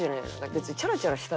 別に。